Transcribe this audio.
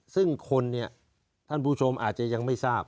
ซึ่งคนเนี่ยท่านผู้ชมอาจจะยังไม่ทราบ